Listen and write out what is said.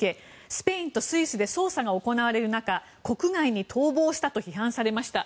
スペインとスイスで捜査が行われる中国外に逃亡したと批判されました。